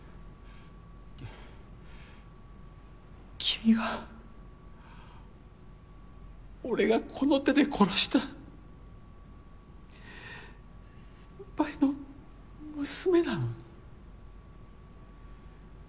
君は俺がこの手で殺した先輩の娘なのに？